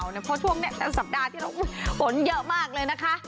เพราะช่วงนี้สัปดาห์ที่แล้วฝนเยอะมากเลยนะคะ